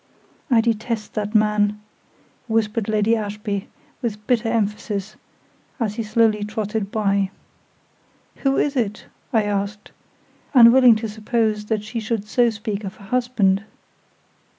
"I detest that man!" whispered Lady Ashby, with bitter emphasis, as he slowly trotted by. "Who is it?" I asked, unwilling to suppose that she should so speak of her husband.